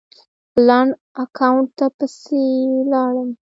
لنډ اکاونټ ته پسې لاړم